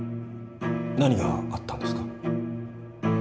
何があったんですか？